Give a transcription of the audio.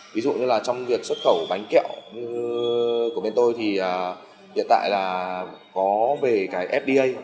ví dụ như là trong việc xuất khẩu bánh kẹo của bên tôi thì hiện tại là có về cái fda